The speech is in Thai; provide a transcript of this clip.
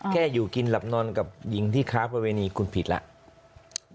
แค่อยู่กินหลับนอนกับหญิงที่ค้าประเวณีคุณผิดแล้ว